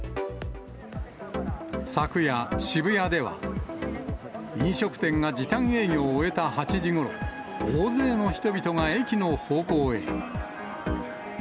昨夜、渋谷では、飲食店が時短営業を終えた８時ごろ、大勢の人々が駅の方向へ。